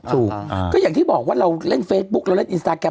ถูกก็อย่างที่บอกว่าเราเล่นเฟซบุ๊คเราเล่นอินสตาแกรม